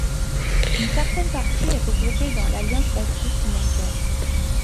Une certaine partie est regroupée dans l'Alliance baptiste mondiale.